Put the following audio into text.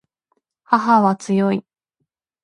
母は強い